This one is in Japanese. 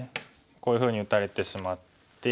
こういうふうに打たれてしまって。